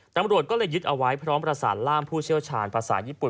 ตำรวจก็เลยยึดเอาไว้พร้อมประสานล่ามผู้เชี่ยวชาญภาษาญี่ปุ่น